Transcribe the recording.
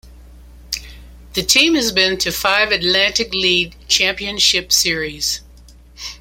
The team has been to five Atlantic League Championship Series.